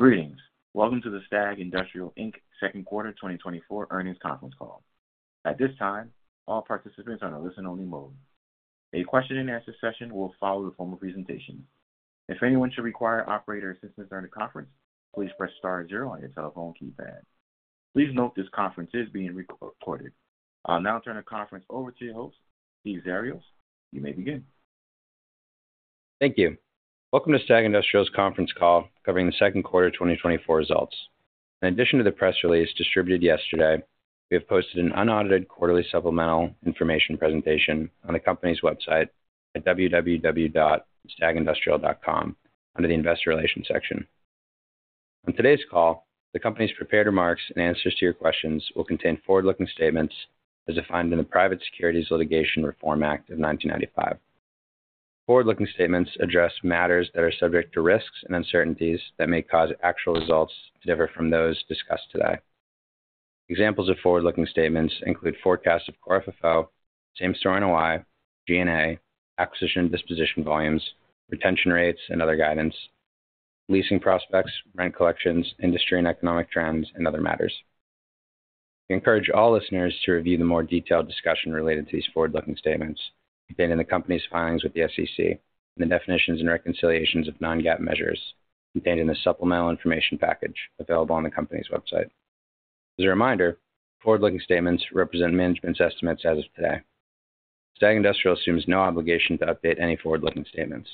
Greetings. Welcome to the STAG Industrial, Inc. second quarter 2024 earnings conference call. At this time, all participants are on a listen-only mode. A question-and-answer session will follow the formal presentation. If anyone should require operator assistance during the conference, please press star zero on your telephone keypad. Please note this conference is being recorded. I'll now turn the conference over to your host, Steve Xiarhos. You may begin. Thank you. Welcome to STAG Industrial's conference call covering the second quarter of 2024 results. In addition to the press release distributed yesterday, we have posted an unaudited quarterly supplemental information presentation on the company's website at www.stagindustrial.com under the Investor Relations section. On today's call, the company's prepared remarks and answers to your questions will contain forward-looking statements as defined in the Private Securities Litigation Reform Act of 1995. Forward-looking statements address matters that are subject to risks and uncertainties that may cause actual results to differ from those discussed today. Examples of forward-looking statements include forecasts of Core FFO, Same Store NOI, G&A, acquisition, disposition volumes, retention rates, and other guidance, leasing prospects, rent collections, industry and economic trends, and other matters. We encourage all listeners to review the more detailed discussion related to these forward-looking statements contained in the company's filings with the SEC, and the definitions and reconciliations of non-GAAP measures contained in the supplemental information package available on the company's website. As a reminder, forward-looking statements represent management's estimates as of today. STAG Industrial assumes no obligation to update any forward-looking statements.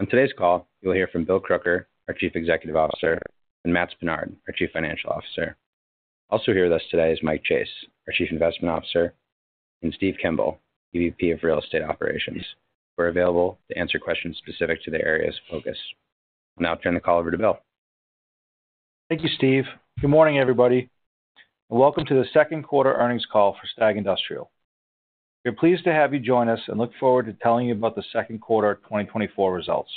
On today's call, you'll hear from Bill Crooker, our Chief Executive Officer, and Matts Pinard, our Chief Financial Officer. Also here with us today is Mike Chase, our Chief Investment Officer, and Steve Kimball, EVP of Real Estate Operations, who are available to answer questions specific to their areas of focus. I'll now turn the call over to Bill. Thank you, Steve. Good morning, everybody, and welcome to the second quarter earnings call for STAG Industrial. We're pleased to have you join us and look forward to telling you about the second quarter of 2024 results.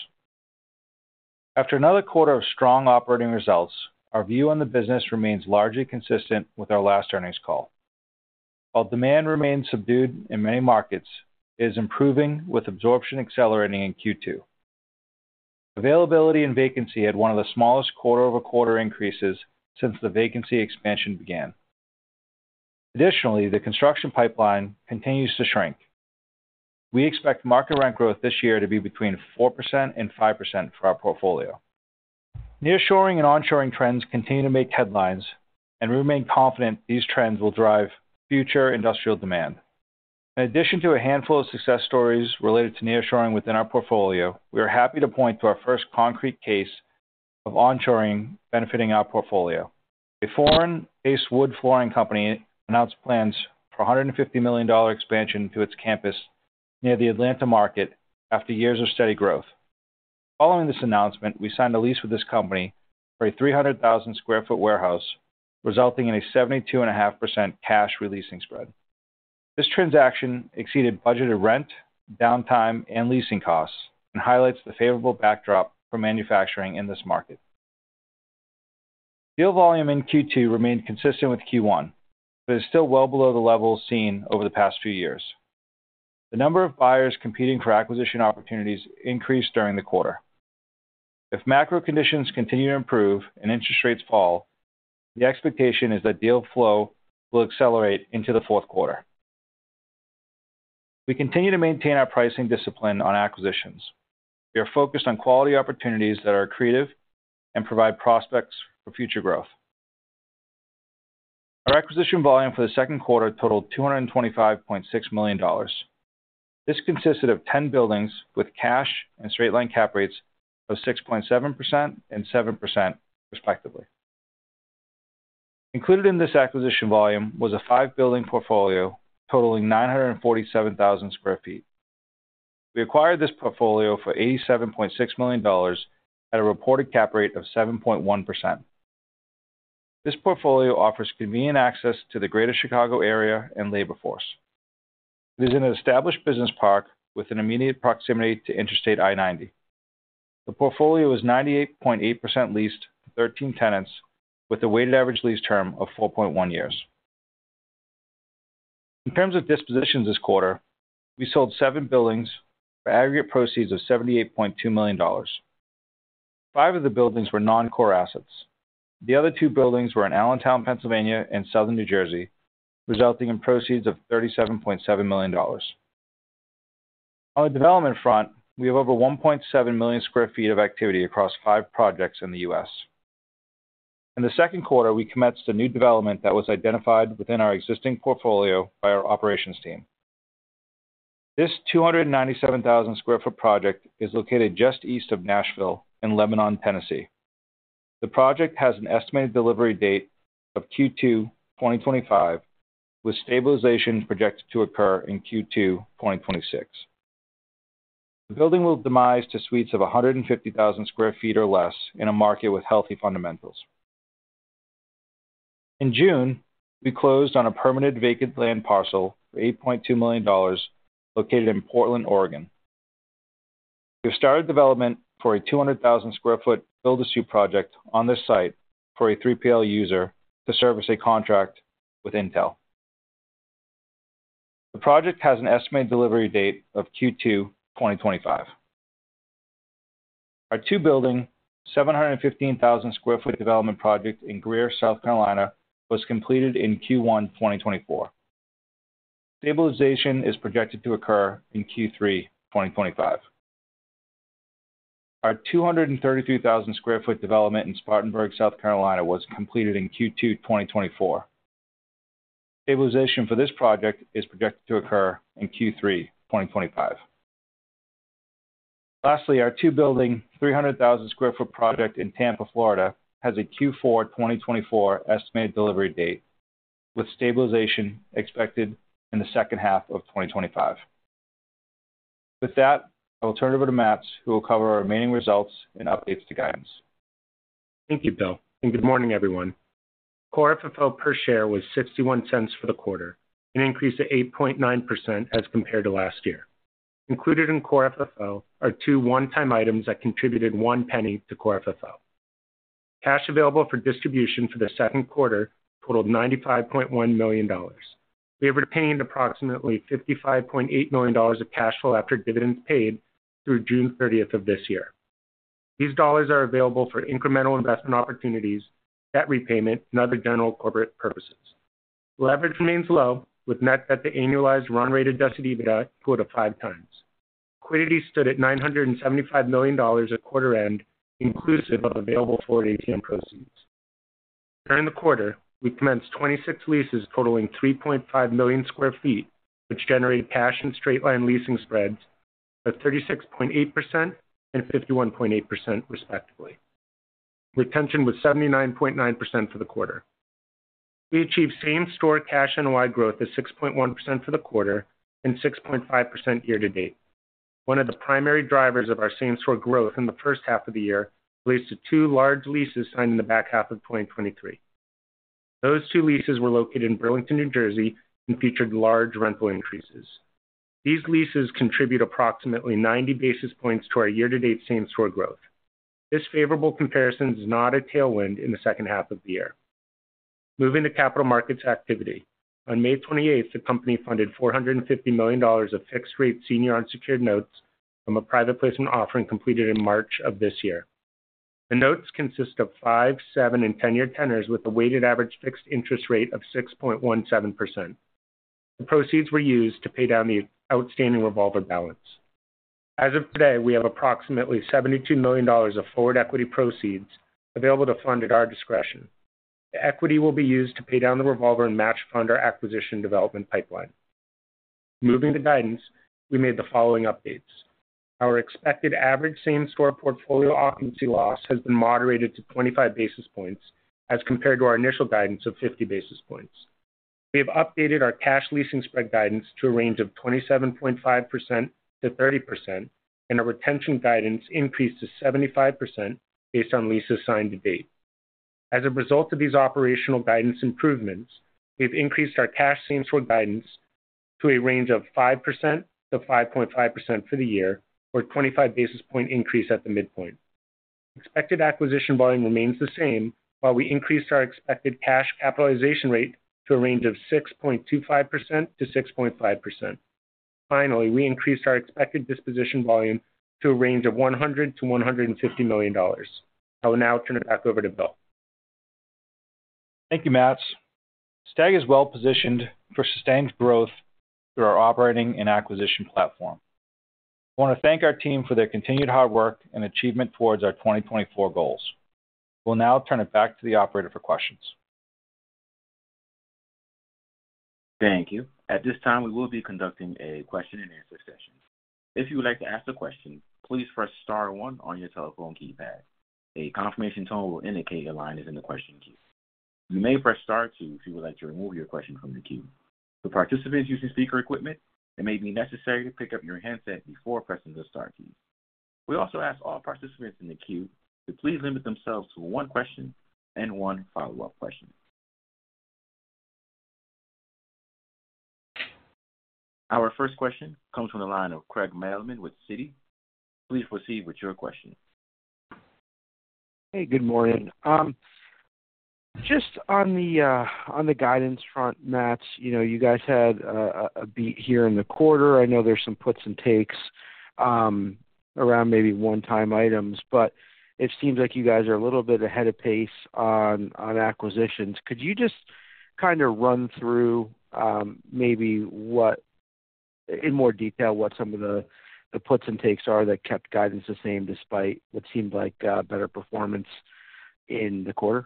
After another quarter of strong operating results, our view on the business remains largely consistent with our last earnings call. While demand remains subdued in many markets, it is improving with absorption accelerating in Q2. Availability and vacancy had one of the smallest quarter-over-quarter increases since the vacancy expansion began. Additionally, the construction pipeline continues to shrink. We expect market rent growth this year to be between 4% and 5% for our portfolio. Nearshoring and onshoring trends continue to make headlines, and we remain confident these trends will drive future industrial demand. In addition to a handful of success stories related to nearshoring within our portfolio, we are happy to point to our first concrete case of onshoring benefiting our portfolio. A foreign-based wood flooring company announced plans for a $150 million expansion to its campus near the Atlanta market after years of steady growth. Following this announcement, we signed a lease with this company for a 300,000 sq ft warehouse, resulting in a 72.5% cash re-leasing spread. This transaction exceeded budgeted rent, downtime, and leasing costs, and highlights the favorable backdrop for manufacturing in this market. Deal volume in Q2 remained consistent with Q1, but is still well below the levels seen over the past few years. The number of buyers competing for acquisition opportunities increased during the quarter. If macro conditions continue to improve and interest rates fall, the expectation is that deal flow will accelerate into the fourth quarter. We continue to maintain our pricing discipline on acquisitions. We are focused on quality opportunities that are accretive and provide prospects for future growth. Our acquisition volume for the second quarter totaled $225.6 million. This consisted of 10 buildings with cash and straight-line cap rates of 6.7% and 7%, respectively. Included in this acquisition volume was a five-building portfolio totaling 947,000 sq ft. We acquired this portfolio for $87.6 million at a reported cap rate of 7.1%. This portfolio offers convenient access to the Greater Chicago area and labor force. It is in an established business park with an immediate proximity to Interstate I-90. The portfolio is 98.8% leased, 13 tenants, with a weighted average lease term of 4.1 years. In terms of dispositions this quarter, we sold 7 buildings for aggregate proceeds of $78.2 million. Five of the buildings were non-core assets. The other two buildings were in Allentown, Pennsylvania, and Southern New Jersey, resulting in proceeds of $37.7 million. On the development front, we have over 1.7 million sq ft of activity across 5 projects in the US. In the second quarter, we commenced a new development that was identified within our existing portfolio by our operations team. This 297,000 sq ft project is located just east of Nashville in Lebanon, Tennessee. The project has an estimated delivery date of Q2 2025, with stabilization projected to occur in Q2 2026. The building will demise to suites of 150,000 sq ft or less in a market with healthy fundamentals. In June, we closed on a permanent vacant land parcel for $8.2 million, located in Portland, Oregon. We've started development for a 200,000 sq ft build-to-suit project on this site for a 3PL user to service a contract with Intel. The project has an estimated delivery date of Q2 2025. Our two-building, 715,000 sq ft development project in Greer, South Carolina, was completed in Q1 2024. Stabilization is projected to occur in Q3 2025. Our 232,000 sq ft development in Spartanburg, South Carolina, was completed in Q2 2024. Stabilization for this project is projected to occur in Q3 2025. Lastly, our two-building, 300,000 sq ft project in Tampa, Florida, has a Q4 2024 estimated delivery date, with stabilization expected in the second half of 2025. With that, I will turn it over to Matts, who will cover our remaining results and updates to guidance. Thank you, Bill, and good morning, everyone. Core FFO per share was $0.61 for the quarter, an increase of 8.9% as compared to last year. Included in core FFO are two one-time items that contributed $0.01 to core FFO. Cash available for distribution for the second quarter totaled $95.1 million. We have retained approximately $55.8 million of cash flow after dividends paid through June 30th of this year. These dollars are available for incremental investment opportunities, debt repayment, and other general corporate purposes. Leverage remains low, with net debt to annualized run rate adjusted EBITDA at 2.0 times. Liquidity stood at $975 million at quarter end, inclusive of available forward ATM proceeds. During the quarter, we commenced 26 leases totaling 3.5 million sq ft, which generate cash and straight-line leasing spreads of 36.8% and 51.8%, respectively. Retention was 79.9% for the quarter. We achieved same store cash NOI growth of 6.1% for the quarter and 6.5% year to date. One of the primary drivers of our same store growth in the first half of the year relates to two large leases signed in the back half of 2023. Those two leases were located in Burlington, New Jersey, and featured large rental increases. These leases contribute approximately 90 basis points to our year-to-date same store growth. This favorable comparison is not a tailwind in the second half of the year. Moving to capital markets activity. On May 28th, the company funded $450 million of fixed rate senior unsecured notes from a private placement offering completed in March of this year. The notes consist of 5-, 7-, and 10-year tenors, with a weighted average fixed interest rate of 6.17%. The proceeds were used to pay down the outstanding revolver balance. As of today, we have approximately $72 million of forward equity proceeds available to fund at our discretion. The equity will be used to pay down the revolver and match fund our acquisition development pipeline. Moving to guidance, we made the following updates. Our expected average same store portfolio occupancy loss has been moderated to 25 basis points as compared to our initial guidance of 50 basis points. We have updated our cash leasing spread guidance to a range of 27.5%-30%, and our retention guidance increased to 75% based on leases signed to date. As a result of these operational guidance improvements, we've increased our cash same-store guidance to a range of 5%-5.5% for the year, or 25 basis point increase at the midpoint. Expected acquisition volume remains the same, while we increased our expected cash capitalization rate to a range of 6.25%-6.5%. Finally, we increased our expected disposition volume to a range of $100 million-$150 million. I will now turn it back over to Bill. Thank you, Matts. STAG is well positioned for sustained growth through our operating and acquisition platform. I want to thank our team for their continued hard work and achievement towards our 2024 goals. We'll now turn it back to the operator for questions. Thank you. At this time, we will be conducting a question-and-answer session. If you would like to ask a question, please press star one on your telephone keypad. A confirmation tone will indicate your line is in the question queue. You may press star two if you would like to remove your question from the queue. For participants using speaker equipment, it may be necessary to pick up your handset before pressing the star key. We also ask all participants in the queue to please limit themselves to one question and one follow-up question. Our first question comes from the line of Craig Mailman with Citi. Please proceed with your question. Hey, good morning. Just on the guidance front, Matts, you know, you guys had a beat here in the quarter. I know there's some puts and takes around maybe one-time items, but it seems like you guys are a little bit ahead of pace on acquisitions. Could you just kind of run through maybe what in more detail some of the puts and takes are that kept guidance the same, despite what seemed like better performance in the quarter?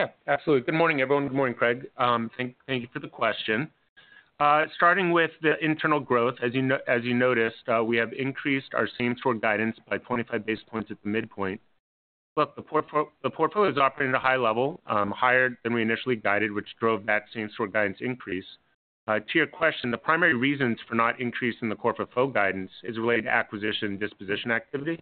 Yeah, absolutely. Good morning, everyone. Good morning, Craig. Thank you for the question. Starting with the internal growth, as you noticed, we have increased our same store guidance by 25 basis points at the midpoint. Look, the portfolio is operating at a high level, higher than we initially guided, which drove that same store guidance increase. To your question, the primary reasons for not increasing the core FFO guidance is related to acquisition and disposition activity.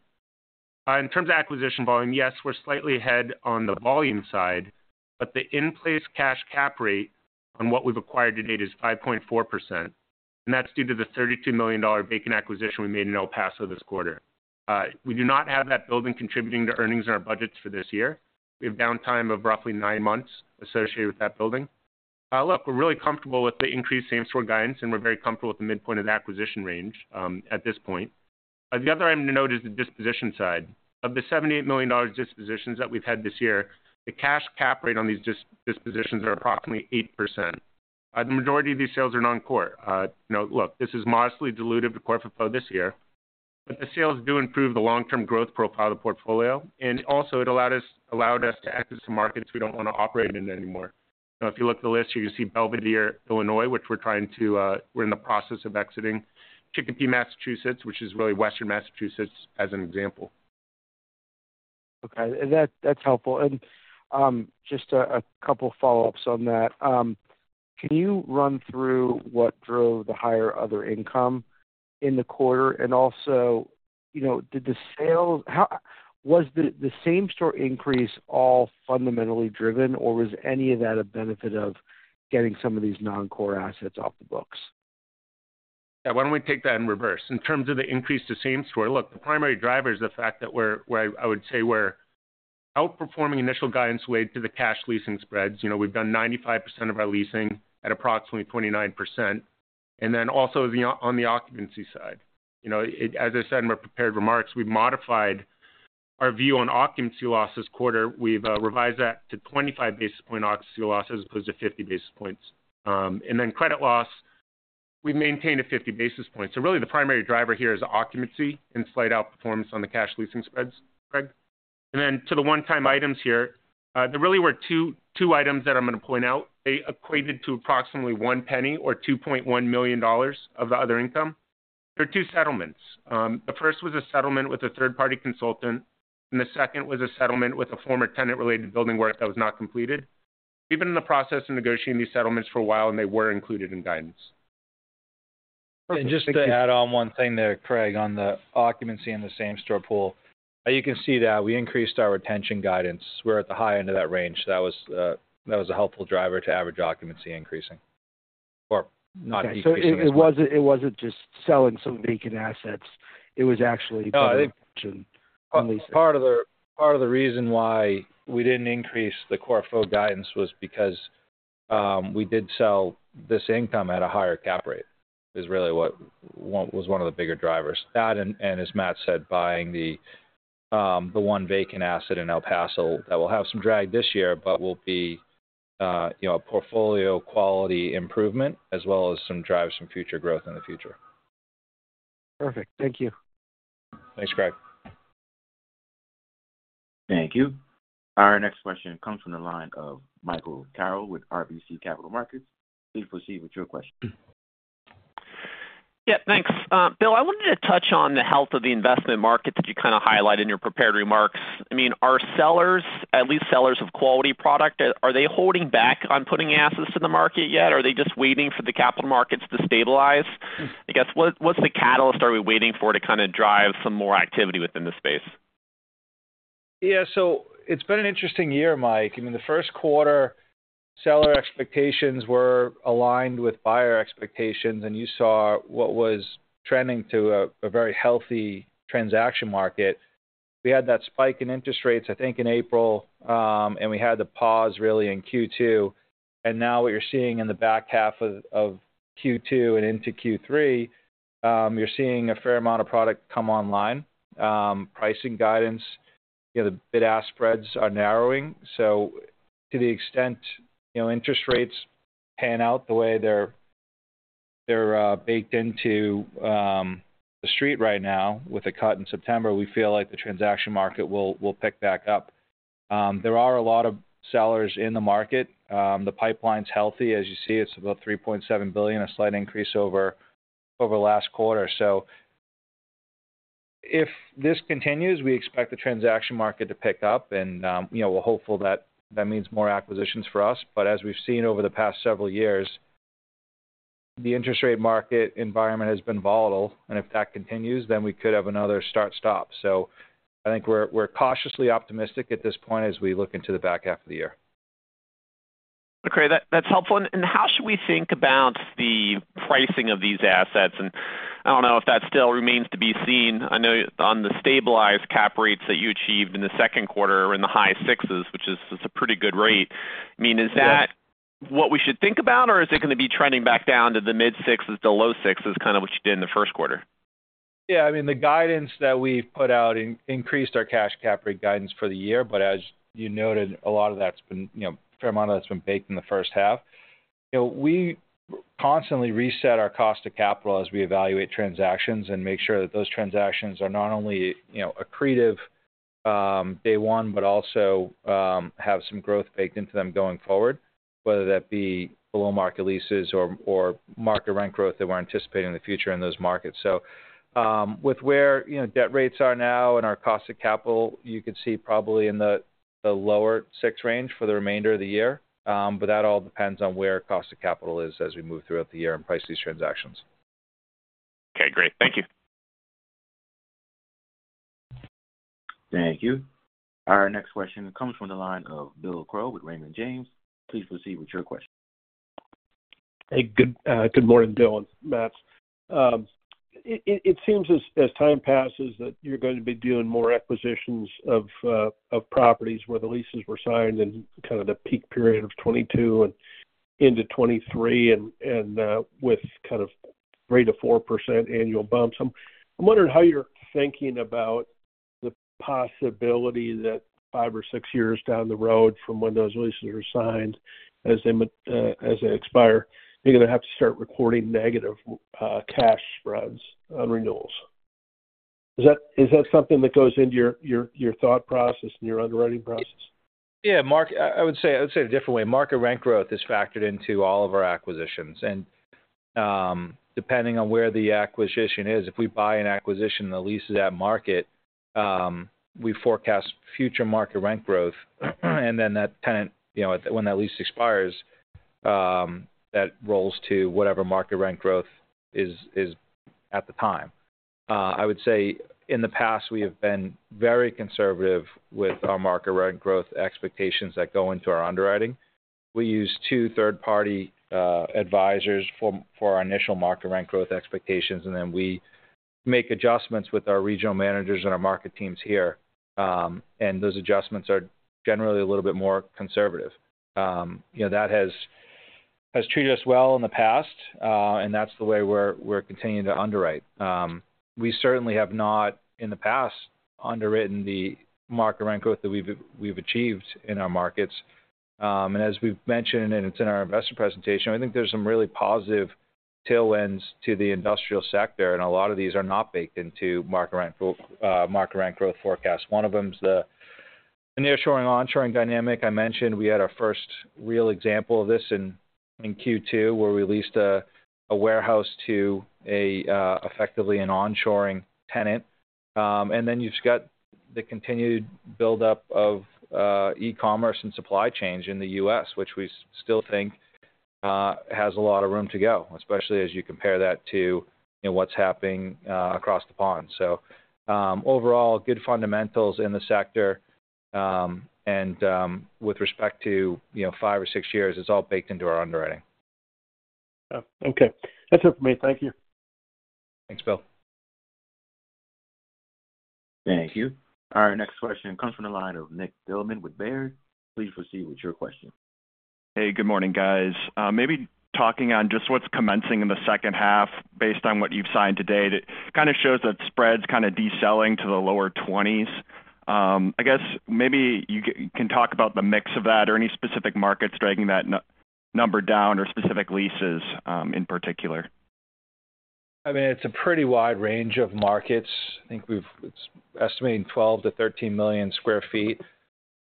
In terms of acquisition volume, yes, we're slightly ahead on the volume side, but the in-place cash cap rate on what we've acquired to date is 5.4%, and that's due to the $32 million vacant acquisition we made in El Paso this quarter. We do not have that building contributing to earnings in our budgets for this year. We have downtime of roughly 9 months associated with that building. Look, we're really comfortable with the increased same-store guidance, and we're very comfortable with the midpoint of the acquisition range, at this point. The other item to note is the disposition side. Of the $78 million dispositions that we've had this year, the cash cap rate on these dispositions are approximately 8%. The majority of these sales are non-core. You know, look, this is modestly dilutive to core FFO this year, but the sales do improve the long-term growth profile of the portfolio, and also, it allowed us, allowed us to exit some markets we don't want to operate in anymore. Now, if you look at the list, you see Belvidere, Illinois, which we're in the process of exiting. Chicopee, Massachusetts, which is really Western Massachusetts, as an example. Okay, and that's helpful. And just a couple follow-ups on that. Can you run through what drove the higher other income in the quarter? And also, you know, was the same-store increase all fundamentally driven, or was any of that a benefit of getting some of these non-core assets off the books? Yeah, why don't we take that in reverse? In terms of the increase to same store, look, the primary driver is the fact that we're, where I would say we're outperforming initial guidance weight to the cash leasing spreads. You know, we've done 95% of our leasing at approximately 29%. And then also, on the occupancy side, you know, it—as I said in my prepared remarks, we've modified our view on occupancy loss this quarter. We've revised that to 25 basis point occupancy losses as opposed to 50 basis points. And then credit loss, we've maintained a 50 basis points. So really, the primary driver here is occupancy and slight outperformance on the cash leasing spreads, Craig. And then to the one-time items here, there really were two items that I'm going to point out. They equated to approximately $0.01 or $2.1 million of the other income. There are two settlements. The first was a settlement with a third-party consultant, and the second was a settlement with a former tenant-related building work that was not completed. We've been in the process of negotiating these settlements for a while, and they were included in guidance. Just to add on one thing there, Craig, on the occupancy and the same store pool, you can see that we increased our retention guidance. We're at the high end of that range. That was, that was a helpful driver to average occupancy increasing or not decreasing. So it wasn't just selling some vacant assets. It was actually- No, I think part of the, part of the reason why we didn't increase the Core FFO guidance was because we did sell this income at a higher cap rate, is really what, what was one of the bigger drivers. That, and, and as Matts said, buying the, the one vacant asset in El Paso, that will have some drag this year, but will be, you know, a portfolio quality improvement as well as some drive some future growth in the future. Perfect. Thank you. Thanks, Craig. Thank you. Our next question comes from the line of Michael Carroll with RBC Capital Markets. Please proceed with your question. Yeah, thanks. Bill, I wanted to touch on the health of the investment market that you kind of highlighted in your prepared remarks. I mean, are sellers, at least sellers of quality product, holding back on putting assets in the market yet? Are they just waiting for the capital markets to stabilize? I guess, what's the catalyst we are waiting for to kind of drive some more activity within the space? Yeah, so it's been an interesting year, Mike. I mean, the first quarter, seller expectations were aligned with buyer expectations, and you saw what was trending to a very healthy transaction market. We had that spike in interest rates, I think, in April, and we had the pause really in Q2. And now what you're seeing in the back half of Q2 and into Q3, you're seeing a fair amount of product come online. Pricing guidance, you know, the bid-ask spreads are narrowing. So to the extent, you know, interest rates pan out the way they're baked into the street right now with a cut in September, we feel like the transaction market will pick back up. There are a lot of sellers in the market. The pipeline's healthy. As you see, it's about $3.7 billion, a slight increase over last quarter. So if this continues, we expect the transaction market to pick up and, you know, we're hopeful that that means more acquisitions for us. But as we've seen over the past several years, the interest rate market environment has been volatile, and if that continues, then we could have another start, stop. So I think we're cautiously optimistic at this point as we look into the back half of the year. Okay, that's helpful. And how should we think about the pricing of these assets? And I don't know if that still remains to be seen. I know the stabilized cap rates that you achieved in the second quarter are in the high sixes, which is, it's a pretty good rate. I mean, is that- Yeah. What we should think about, or is it gonna be trending back down to the mid sixes to low sixes, kind of what you did in the first quarter? Yeah, I mean, the guidance that we've put out increased our cash cap rate guidance for the year, but as you noted, a lot of that's been, you know, a fair amount of that's been baked in the first half. You know, we constantly reset our cost to capital as we evaluate transactions and make sure that those transactions are not only, you know, accretive, day one, but also, have some growth baked into them going forward, whether that be below-market leases or, or market rent growth that we're anticipating in the future in those markets. So, with where, you know, debt rates are now and our cost of capital, you could see probably in the lower six range for the remainder of the year. But that all depends on where cost of capital is as we move throughout the year and price these transactions. Okay, great. Thank you. Thank you. Our next question comes from the line of Bill Crow with Raymond James. Please proceed with your question. Hey, good morning, Bill and Matts. It seems as time passes that you're going to be doing more acquisitions of properties where the leases were signed in kind of the peak period of 2022 and into 2023, and with kind of 3%-4% annual bumps. I'm wondering how you're thinking about the possibility that five or six years down the road from when those leases are signed, as they expire, you're gonna have to start recording negative cash spreads on renewals. Is that something that goes into your thought process and your underwriting process? Yeah, Mark, I would say a different way. Market rent growth is factored into all of our acquisitions. And, depending on where the acquisition is, if we buy an acquisition, the lease is at market, we forecast future market rent growth. And then that tenant, you know, when that lease expires, that rolls to whatever market rent growth is at the time. I would say, in the past, we have been very conservative with our market rent growth expectations that go into our underwriting. We use two third-party advisors for our initial market rent growth expectations, and then we make adjustments with our regional managers and our market teams here. And those adjustments are generally a little bit more conservative. You know, that has treated us well in the past, and that's the way we're continuing to underwrite. We certainly have not, in the past, underwritten the market rent growth that we've achieved in our markets. And as we've mentioned, and it's in our investor presentation, I think there's some really positive tailwinds to the industrial sector, and a lot of these are not baked into market rent growth, market rent growth forecast. One of them is the nearshoring, onshoring dynamic. I mentioned we had our first real example of this in Q2, where we leased a warehouse to a, effectively an onshoring tenant. And then you've just got the continued buildup of e-commerce and supply chain in the US, which we still think has a lot of room to go, especially as you compare that to, you know, what's happening across the pond. So, overall, good fundamentals in the sector. With respect to, you know, five or six years, it's all baked into our underwriting. Oh, okay. That's it for me. Thank you. Thanks, Bill. Thank you. Our next question comes from the line of Nick Thillman with Baird. Please proceed with your question. Hey, good morning, guys. Maybe talking on just what's commencing in the second half, based on what you've signed to date, it kind of shows that spreads kind of deceling to the lower twenties. I guess maybe you can talk about the mix of that, or any specific markets driving that number down, or specific leases in particular. I mean, it's a pretty wide range of markets. I think we've—it's estimating 12-13 million sq ft.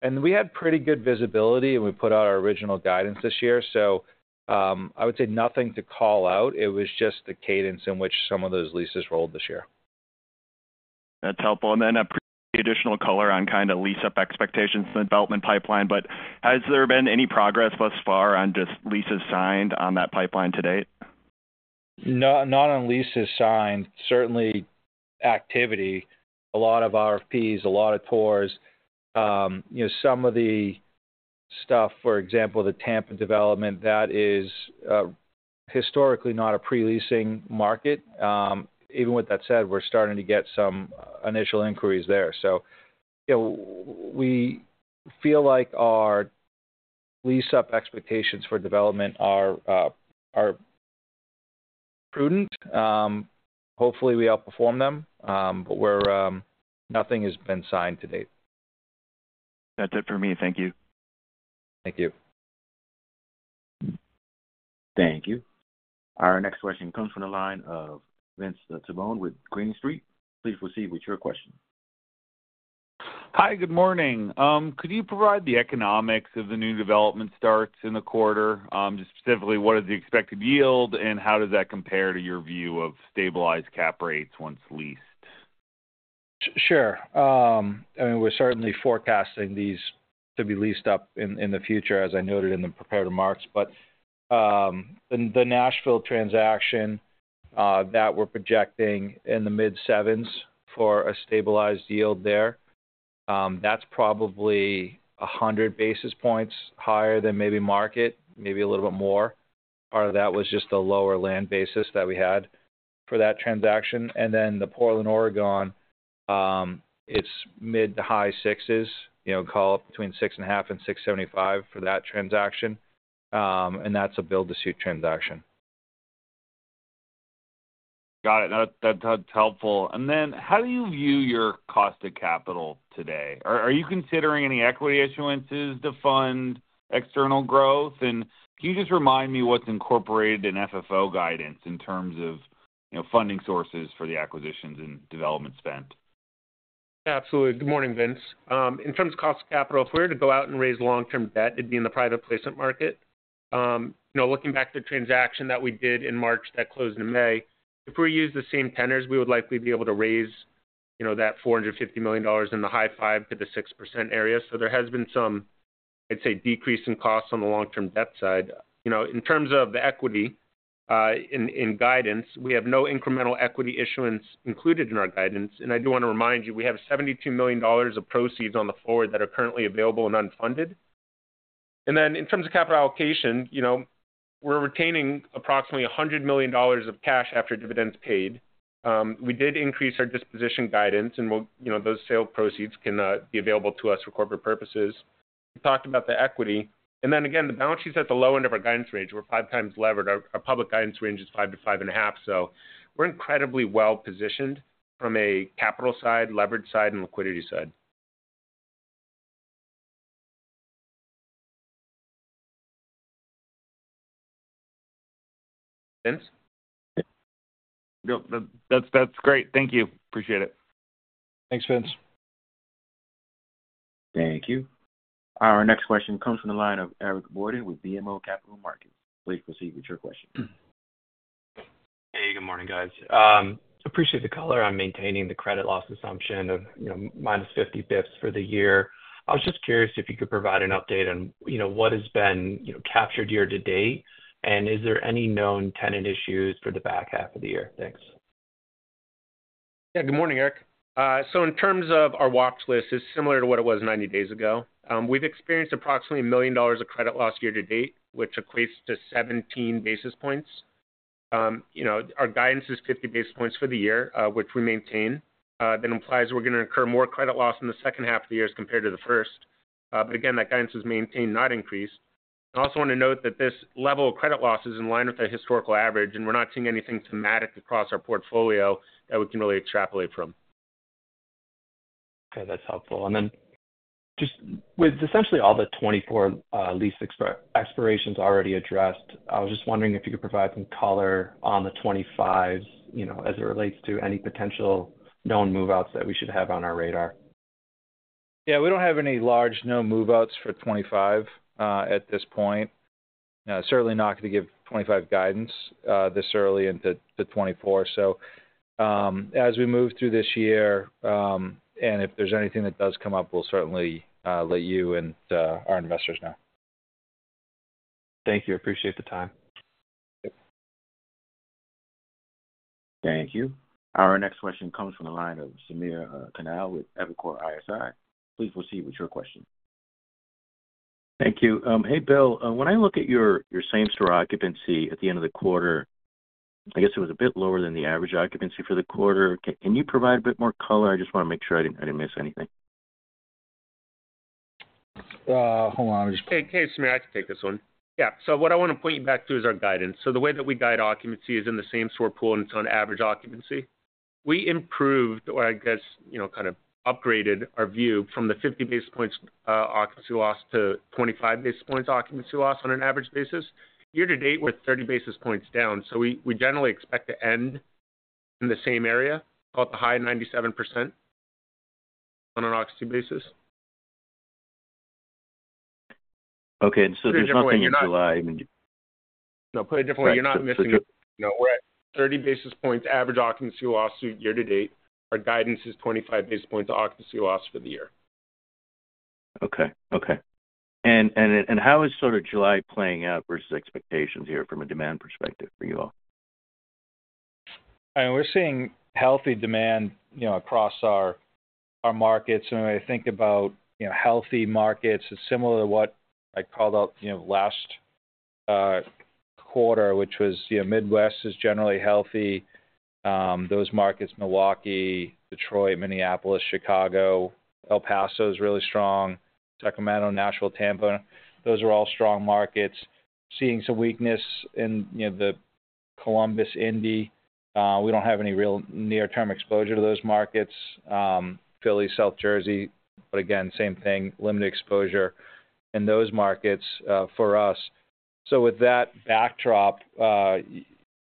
And we had pretty good visibility, and we put out our original guidance this year, so, I would say nothing to call out. It was just the cadence in which some of those leases rolled this year. That's helpful. And then I'd appreciate the additional color on kind of lease-up expectations from the development pipeline, but has there been any progress thus far on just leases signed on that pipeline to date? No, not on leases signed. Certainly activity, a lot of RFPs, a lot of tours. You know, some of the stuff, for example, the Tampa development, that is historically not a pre-leasing market. Even with that said, we're starting to get some initial inquiries there. So, you know, we feel like our lease-up expectations for development are prudent. Hopefully, we outperform them, but we're... Nothing has been signed to date. That's it for me. Thank you. Thank you. Thank you. Our next question comes from the line of Vince Tabone with Green Street. Please proceed with your question. Hi, good morning. Could you provide the economics of the new development starts in the quarter? Just specifically, what is the expected yield, and how does that compare to your view of stabilized cap rates once leased? Sure. I mean, we're certainly forecasting these to be leased up in the future, as I noted in the prepared remarks. But the Nashville transaction that we're projecting in the mid-sevens for a stabilized yield there, that's probably 100 basis points higher than maybe market, maybe a little bit more. Part of that was just the lower land basis that we had for that transaction. And then the Portland, Oregon, it's mid to high sixes. You know, call it between 6.5 and 6.75 for that transaction. And that's a build-to-suit transaction. Got it. That, that's helpful. And then, how do you view your cost of capital today? Are you considering any equity issuances to fund external growth? And can you just remind me what's incorporated in FFO guidance in terms of, you know, funding sources for the acquisitions and development spend? Absolutely. Good morning, Vince. In terms of cost of capital, if we were to go out and raise long-term debt, it'd be in the private placement market. You know, looking back to the transaction that we did in March that closed in May, if we use the same tenors, we would likely be able to raise, you know, that $450 million in the high 5%-6% area. So there has been some decrease in costs on the long-term debt side. You know, in terms of the equity, in guidance, we have no incremental equity issuance included in our guidance. And I do want to remind you, we have $72 million of proceeds on the forward that are currently available and unfunded. In terms of capital allocation, you know, we're retaining approximately $100 million of cash after dividends paid. We did increase our disposition guidance, and we'll, you know, those sale proceeds can be available to us for corporate purposes. We talked about the equity. And then again, the balance sheet's at the low end of our guidance range. We're 5 times levered. Our public guidance range is 5-5.5. So we're incredibly well positioned from a capital side, leverage side, and liquidity side. Vince? Yep, that's, that's great. Thank you. Appreciate it. Thanks, Vince. Thank you. Our next question comes from the line of Eric Borden, with BMO Capital Markets. Please proceed with your question. Hey, good morning, guys. Appreciate the color on maintaining the credit loss assumption of, you know, minus 50 basis points for the year. I was just curious if you could provide an update on, you know, what has been, you know, captured year to date, and is there any known tenant issues for the back half of the year? Thanks. Yeah, good morning, Eric. So in terms of our watch list, it's similar to what it was 90 days ago. We've experienced approximately $1 million of credit loss year to date, which equates to 17 basis points. You know, our guidance is 50 basis points for the year, which we maintain. That implies we're going to incur more credit loss in the second half of the year as compared to the first. But again, that guidance is maintained, not increased. I also want to note that this level of credit loss is in line with our historical average, and we're not seeing anything thematic across our portfolio that we can really extrapolate from. Okay, that's helpful. And then just with essentially all the 24 lease expirations already addressed, I was just wondering if you could provide some color on the 25, you know, as it relates to any potential known move-outs that we should have on our radar? Yeah, we don't have any large known move-outs for 2025, at this point. Certainly not going to give 2025 guidance, this early into the 2024. So, as we move through this year, and if there's anything that does come up, we'll certainly let you and our investors know. Thank you. Appreciate the time. Yep. Thank you. Our next question comes from the line of Samir Khanal with Evercore ISI. Please proceed with your question. Thank you. Hey, Bill. When I look at your same-store occupancy at the end of the quarter, I guess it was a bit lower than the average occupancy for the quarter. Can you provide a bit more color? I just want to make sure I didn't miss anything. Hold on just one- Hey, hey, Samir, I can take this one. Yeah. So what I want to point you back to is our guidance. So the way that we guide occupancy is in the same store pool, and it's on average occupancy. We improved, or I guess, you know, kind of upgraded our view from the 50 basis points occupancy loss to 25 basis points occupancy loss on an average basis. Year to date, we're 30 basis points down, so we generally expect to end in the same area, about the high 97% on an occupancy basis. Okay, so there's nothing in July- No, put it differently, you're not missing it. No, we're at 30 basis points average occupancy loss year to date. Our guidance is 25 basis points occupancy loss for the year. Okay. And how is sort of July playing out versus expectations here from a demand perspective for you all? I mean, we're seeing healthy demand, you know, across our markets. When I think about, you know, healthy markets, it's similar to what I called out, you know, last quarter, which was, you know, Midwest is generally healthy. Those markets, Milwaukee, Detroit, Minneapolis, Chicago, El Paso is really strong. Sacramento, Nashville, Tampa, those are all strong markets. Seeing some weakness in, you know, the Columbus, Indy. We don't have any real near-term exposure to those markets. Philly, South Jersey, but again, same thing, limited exposure in those markets, for us. With that backdrop,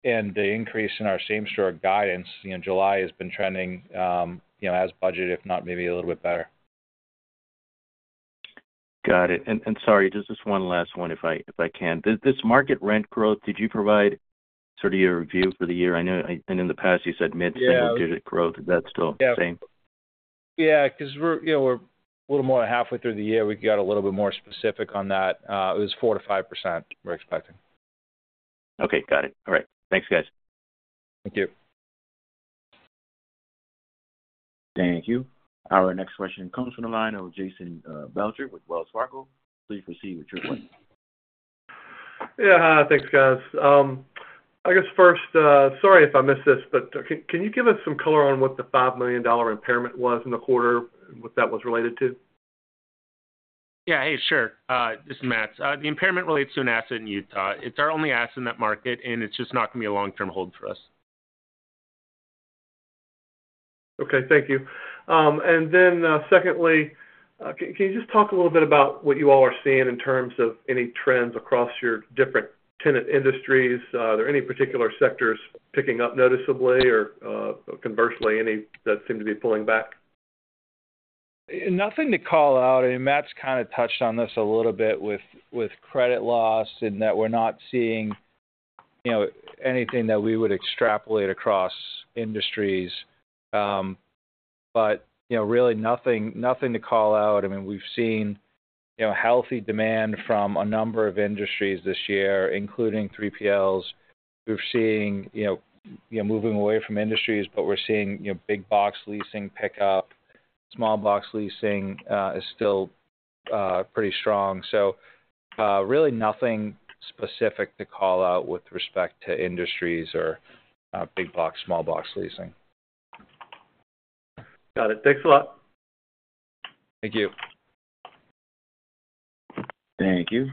and the increase in our same-store guidance, you know, July has been trending, you know, as budgeted, if not maybe a little bit better. Got it. And sorry, just this one last one, if I can. This market rent growth, did you provide sort of your view for the year? I know and in the past you said mid-single digit growth. Yeah. Is that still the same? Yeah, 'cause we're, you know, we're a little more than halfway through the year. We got a little bit more specific on that. It was 4%-5%, we're expecting. Okay, got it. All right. Thanks, guys. Thank you. Thank you. Our next question comes from the line of Jason Belcher with Wells Fargo. Please proceed with your question. Yeah. Thanks, guys. I guess first, sorry if I missed this, but can you give us some color on what the $5 million impairment was in the quarter and what that was related to? Yeah, hey, sure. This is Matts. The impairment relates to an asset in Utah. It's our only asset in that market, and it's just not going to be a long-term hold for us. Okay. Thank you. And then, secondly, can you just talk a little bit about what you all are seeing in terms of any trends across your different tenant industries? Are there any particular sectors picking up noticeably or, conversely, any that seem to be pulling back? Nothing to call out. I mean, Matts kind of touched on this a little bit with credit loss and that we're not seeing you know, anything that we would extrapolate across industries. But, you know, really nothing, nothing to call out. I mean, we've seen, you know, healthy demand from a number of industries this year, including 3PLs. We're seeing, you know, moving away from industries, but we're seeing, you know, big box leasing pick up. Small box leasing is still pretty strong. So, really nothing specific to call out with respect to industries or big box, small box leasing. Got it. Thanks a lot. Thank you. Thank you.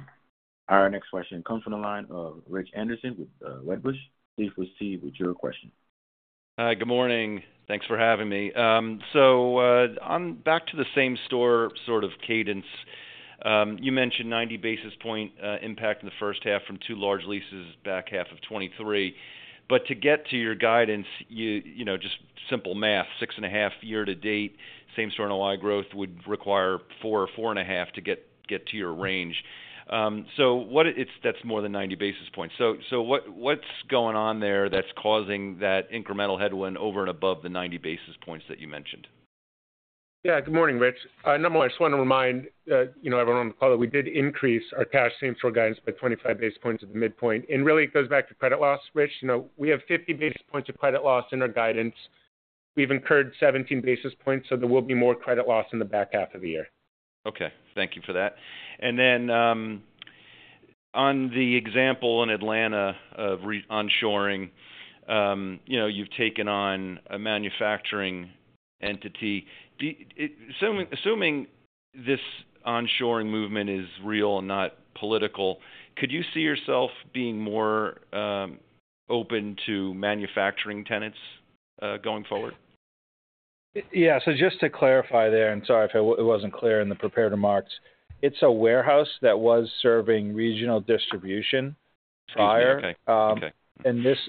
Our next question comes from the line of Rich Anderson with Wedbush. Please proceed with your question. Hi, good morning. Thanks for having me. So, on back to the same store sort of cadence, you mentioned 90 basis points impact in the first half from two large leases back half of 2023. But to get to your guidance, you know, just simple math, 6.5 year to date same store NOI growth would require 4 or 4.5 to get to your range. So what it's-- that's more than 90 basis points. So what, what's going on there that's causing that incremental headwind over and above the 90 basis points that you mentioned? Yeah, good morning, Rich. Number one, I just wanna remind, you know, everyone on the call that we did increase our cash same store guidance by 25 basis points at the midpoint, and really it goes back to credit loss. Rich, you know, we have 50 basis points of credit loss in our guidance. We've incurred 17 basis points, so there will be more credit loss in the back half of the year. Okay, thank you for that. And then, on the example in Atlanta of onshoring, you know, you've taken on a manufacturing entity. Assuming this onshoring movement is real and not political, could you see yourself being more open to manufacturing tenants going forward? Yeah. So just to clarify there, and sorry if it wasn't clear in the prepared remarks, it's a warehouse that was serving regional distribution prior. Okay, okay.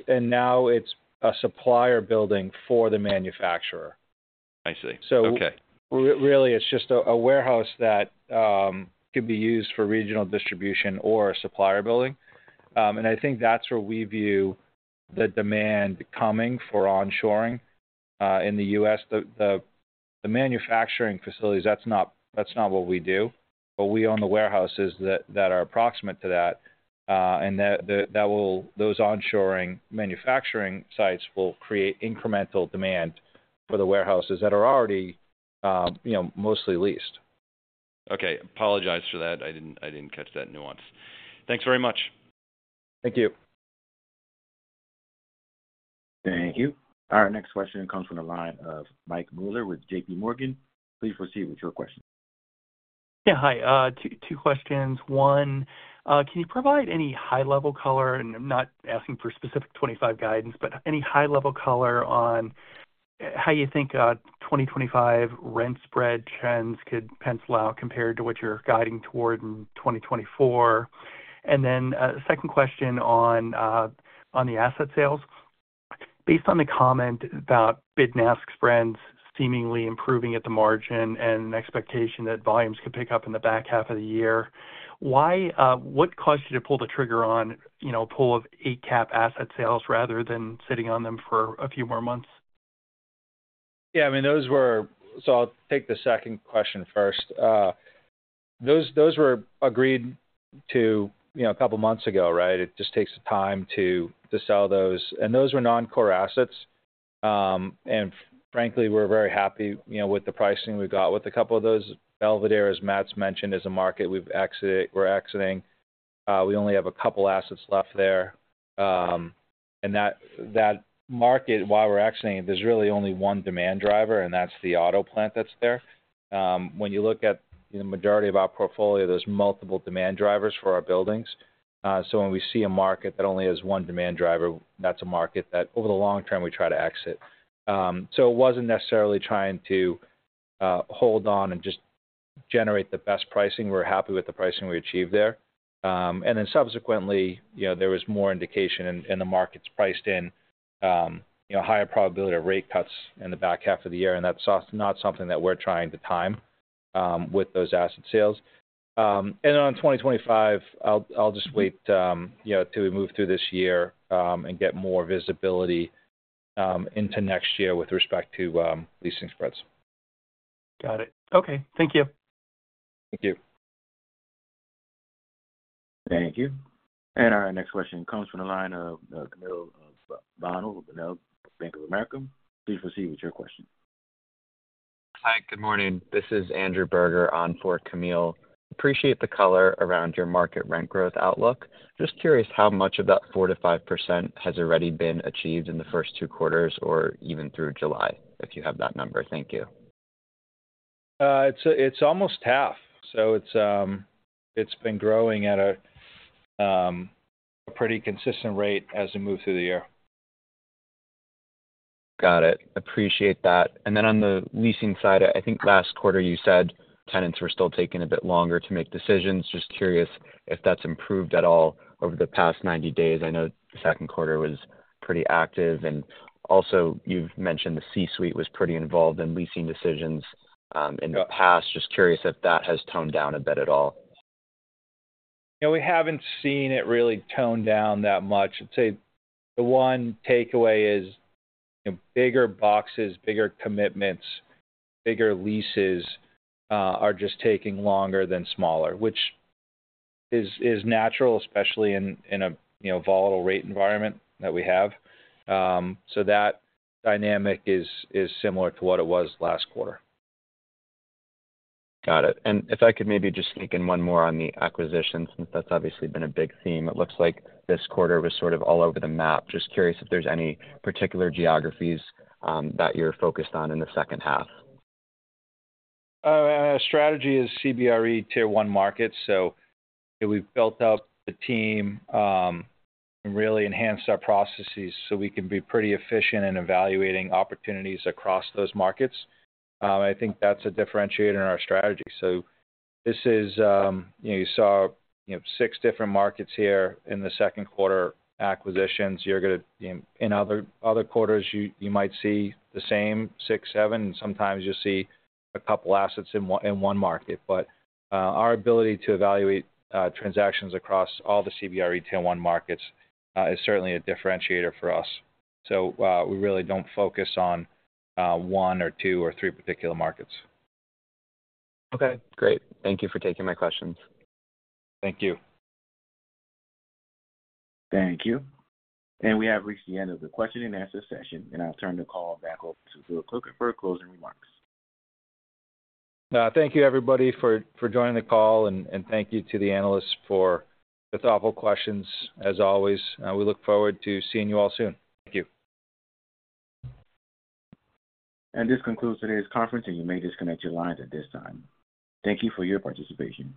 And now it's a supplier building for the manufacturer. I see. Okay. So really, it's just a warehouse that could be used for regional distribution or a supplier building. And I think that's where we view the demand coming for onshoring in the U.S. The manufacturing facilities, that's not what we do, but we own the warehouses that are proximate to that, and those onshoring manufacturing sites will create incremental demand for the warehouses that are already, you know, mostly leased. Okay. Apologize for that. I didn't, I didn't catch that nuance. Thanks very much. Thank you. Thank you. Our next question comes from the line of Mike Mueller with J.P. Morgan. Please proceed with your question. Yeah, hi, two questions. One, can you provide any high-level color, and I'm not asking for specific 25 guidance, but any high-level color on how you think 2025 rent spread trends could pencil out compared to what you're guiding toward in 2024? And then, second question on the asset sales. Based on the comment about bid-ask spreads seemingly improving at the margin and expectation that volumes could pick up in the back half of the year, why what caused you to pull the trigger on, you know, a pool of 8 cap asset sales rather than sitting on them for a few more months? Yeah, I mean, those were... So I'll take the second question first. Those were agreed to, you know, a couple of months ago, right? It just takes time to sell those, and those were non-core assets. And frankly, we're very happy, you know, with the pricing we got with a couple of those. Belvidere, as Matts mentioned, is a market we're exiting. We only have a couple assets left there. And that market, while we're exiting, there's really only one demand driver, and that's the auto plant that's there. When you look at the majority of our portfolio, there's multiple demand drivers for our buildings. So when we see a market that only has one demand driver, that's a market that, over the long term, we try to exit. So it wasn't necessarily trying to hold on and just generate the best pricing. We're happy with the pricing we achieved there. And then subsequently, you know, there was more indication and the markets priced in, you know, higher probability of rate cuts in the back half of the year, and that's also not something that we're trying to time with those asset sales. And on 2025, I'll just wait, you know, till we move through this year and get more visibility into next year with respect to leasing spreads. Got it. Okay. Thank you. Thank you. Thank you. And our next question comes from the line of Camille Bonnel with Bank of America. Please proceed with your question. Hi, good morning. This is Andrew Berger on for Camille. Appreciate the color around your market rent growth outlook. Just curious how much of that 4%-5% has already been achieved in the first two quarters or even through July, if you have that number. Thank you. It's almost half, so it's been growing at a pretty consistent rate as we move through the year. Got it. Appreciate that. And then on the leasing side, I think last quarter you said tenants were still taking a bit longer to make decisions. Just curious if that's improved at all over the past 90 days. I know the second quarter was pretty active. And also, you've mentioned the C-suite was pretty involved in leasing decisions, in the past. Just curious if that has toned down a bit at all? Yeah, we haven't seen it really tone down that much. I'd say the one takeaway is, you know, bigger boxes, bigger commitments, bigger leases are just taking longer than smaller, which is natural, especially in a, you know, volatile rate environment that we have. So that dynamic is similar to what it was last quarter. Got it. And if I could maybe just sneak in one more on the acquisitions, since that's obviously been a big theme. It looks like this quarter was sort of all over the map. Just curious if there's any particular geographies, that you're focused on in the second half? Our strategy is CBRE Tier One markets, so we've built up the team and really enhanced our processes so we can be pretty efficient in evaluating opportunities across those markets. I think that's a differentiator in our strategy. So this is, you know, you saw, you know, 6 different markets here in the second quarter acquisitions. You're gonna—In other quarters, you might see the same 6, 7, and sometimes you'll see a couple assets in one market. But our ability to evaluate transactions across all the CBRE Tier One markets is certainly a differentiator for us. So we really don't focus on one or two or three particular markets. Okay, great. Thank you for taking my questions. Thank you. Thank you. We have reached the end of the question-and-answer session, and I'll turn the call back over to Bill Crooker for closing remarks. Thank you, everybody, for joining the call, and thank you to the analysts for the thoughtful questions, as always. We look forward to seeing you all soon. Thank you. This concludes today's conference, and you may disconnect your lines at this time. Thank you for your participation.